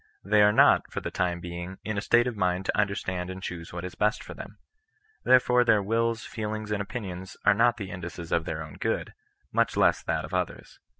They are not, for the time being, in a state of mind to understand and choose what is best for them. There fore their wills, feelings, and opinions are not the indices of their own good — much less that of others.